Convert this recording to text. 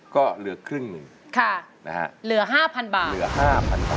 ก็เหลือครึ่งหนึ่งค่ะเหลือ๕๐๐๐บาท